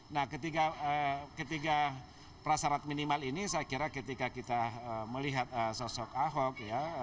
nah ketiga prasarat minimal ini saya kira ketika kita melihat sosok ahok ya